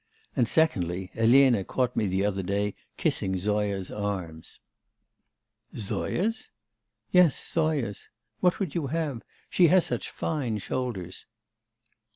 And, secondly, Elena caught me the other day kissing Zoya's arms!' 'Zoya's?' 'Yes, Zoya's. What would you have? She has such fine shoulders.